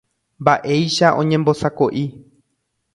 Mba'éicha oñembosako'i.